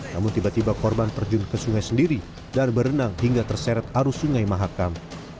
namun tiba tiba korban terjun ke sungai sendiri dan berenang hingga terseret arus sungai mahakam